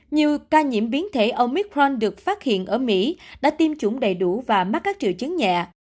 như ca nhiễm biến thể omicron được phát hiện ở mỹ đã tiêm chủng đầy đủ và mắc các triệu chứng nhẹ